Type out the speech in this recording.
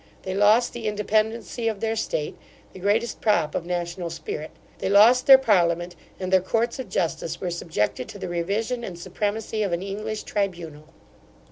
They lost the independency of their state, the greatest prop of national spirit; they lost their parliament, and their courts of justice were subjected to the revision and supremacy of an English tribunal.